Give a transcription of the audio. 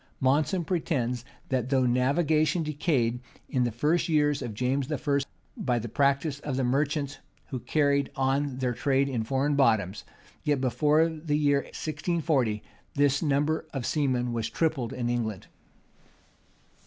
Monson pretends, that though navigation decayed in the first years of James I., by the practice of the merchants, who carried on their trade in foreign bottoms,[] yet, before the year 1640, this number of seamen was tripled in England.